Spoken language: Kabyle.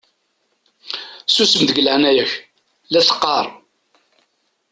Susem deg leɛnaya-k la teqqaṛ!